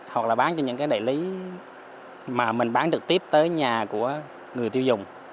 hoặc là bán cho những cái đại lý mà mình bán trực tiếp tới nhà của người tiêu dùng